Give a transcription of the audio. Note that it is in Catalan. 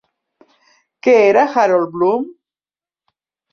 Què era Harold Bloom?